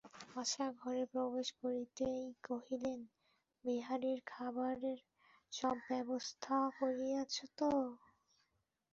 আশা ঘরে প্রবেশ করিতেই কহিলেন, বেহারির খাবারের সব ব্যবস্থা করিয়াছ তো?